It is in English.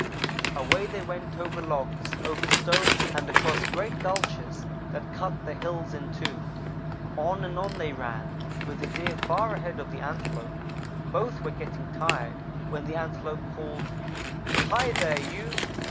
"Away they went over logs, over stones and across great gulches that cut the hills in two. On and on they ran, with the Deer far ahead of the Antelope. Both were getting tired, when the Antelope called: "'Hi, there you!